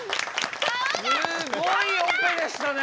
すごいオペでしたね！